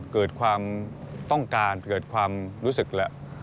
เกิดความต้องการเกิดความรู้สึกแหละ